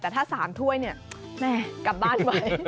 แต่ถ้า๓ถ้วยเนี่ยแม่กลับบ้านไว้